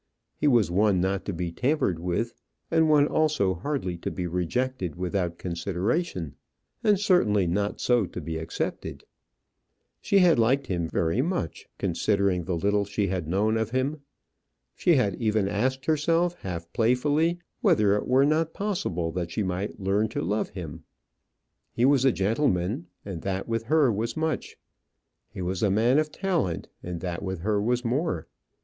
He was one not to be tampered with, and one also hardly to be rejected without consideration; and certainly not so to be accepted. She had liked him much very much, considering the little she had known of him. She had even asked herself, half playfully, whether it were not possible that she might learn to love him. He was a gentleman, and that with her was much. He was a man of talent, and that with her was more.